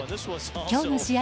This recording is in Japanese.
今日の試合